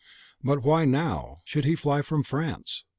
But why, now, should he fly from France?